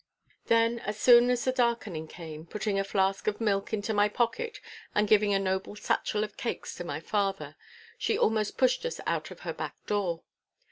Then so soon as the darkening came, putting a flask of milk into my pocket and giving a noble satchel of cakes to my father, she almost pushed us out of her back door.